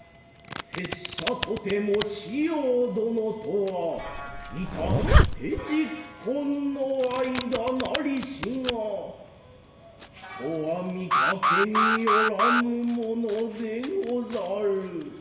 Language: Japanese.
拙者とても子葉殿とは至って昵懇の間成りしが人は見かけによらぬ者でござる。